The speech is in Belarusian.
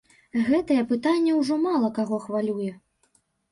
Гэтае пытанне ўжо мала каго хвалюе.